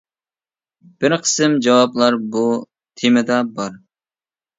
بىر قىسىم جاۋابلار بۇ تېمىدا بار.